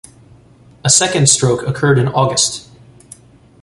A second stroke occurred in August.